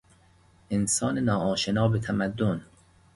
انسان نا آشنا به تمدن